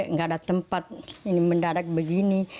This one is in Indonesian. nggak ada tempat ini mendadak begini